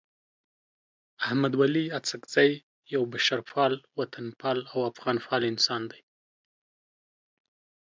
احمد ولي اڅکزی یو بشرپال، وطنپال او افغانپال انسان دی.